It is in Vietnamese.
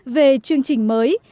về chương trình mới